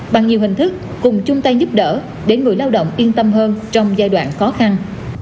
bằng nhiều hình thức cùng chung tay giúp đỡ để người lao động yên tâm hơn trong giai đoạn khó khăn